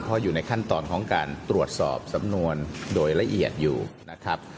เพราะอยู่ในขั้นตอนของการตรวจสอบสำนวนโดยละเอียดอยู่นะครับ